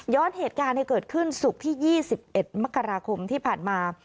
เหตุการณ์ให้เกิดขึ้นศุกร์ที่๒๑มกราคมที่ผ่านมา